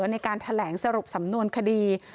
ในการแถลงสรุปสำนวนคดี